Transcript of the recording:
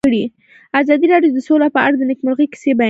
ازادي راډیو د سوله په اړه د نېکمرغۍ کیسې بیان کړې.